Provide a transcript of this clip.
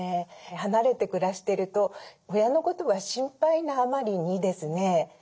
離れて暮らしてると親のことが心配なあまりにですね